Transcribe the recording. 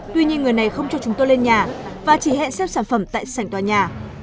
tuy nhiên người này không cho chúng tôi lên nhà và chỉ hẹn xem sản phẩm tại sảnh tòa nhà